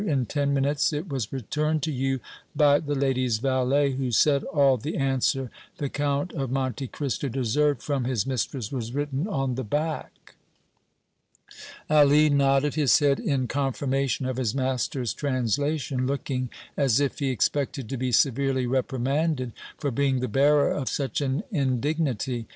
In ten minutes it was returned to you by the lady's valet, who said all the answer the Count of Monte Cristo deserved from his mistress was written on the back." Ali nodded his head in confirmation of his master's translation, looking as if he expected to be severely reprimanded for being the bearer of such an indignity.